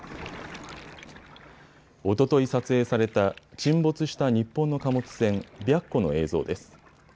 おととい撮影された沈没した日本の貨物船、白虎の映像です。